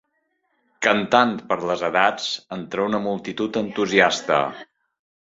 Cantant per les edats entre una multitud entusiasta.